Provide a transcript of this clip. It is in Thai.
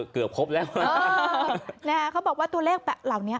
เกือบครบแล้วเขาบอกว่าตัวเลขเหล่านี้